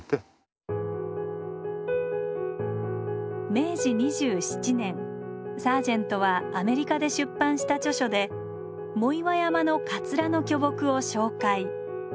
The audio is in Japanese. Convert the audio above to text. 明治２７年サージェントはアメリカで出版した著書で藻岩山のカツラの巨木を紹介。